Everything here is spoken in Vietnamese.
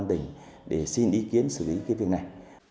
để xin ý kiến xử lý